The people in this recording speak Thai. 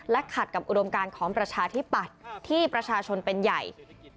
ขัดกับอุดมการของประชาธิปัตย์ที่ประชาชนเป็นใหญ่